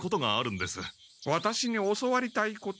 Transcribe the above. ワタシに教わりたいこと？